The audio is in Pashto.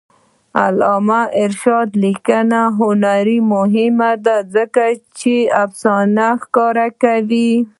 د علامه رشاد لیکنی هنر مهم دی ځکه چې فساد ښکاره کوي.